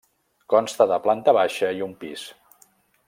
Consta de planta baixa i un pis.